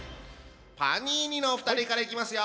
パニーニのお二人からいきますよ。